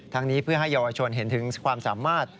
นี้เพื่อให้เยาวชนเห็นถึงความสามารถ